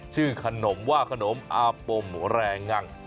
ชื่อขนมว่าขนมอาปมแรงัง